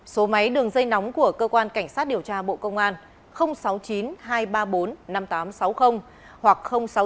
số máy đường dây nóng của cơ quan cảnh sát điều tra bộ công an sáu mươi chín hai trăm ba mươi bốn năm nghìn tám trăm sáu mươi hoặc sáu mươi chín hai trăm ba mươi hai một nghìn sáu trăm sáu mươi